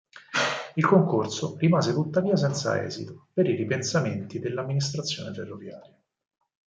Il concorso rimase tuttavia senza esito, per i ripensamenti dell'amministrazione ferroviaria.